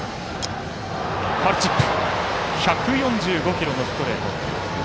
１４５キロのストレート。